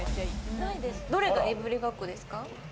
どれが、いぶりがっこですか？